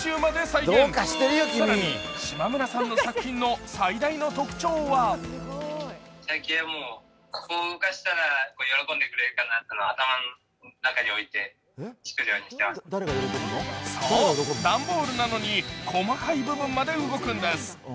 更に島村さんの作品の最大の特徴はそう、段ボールなのに細かい部分まで動くんです。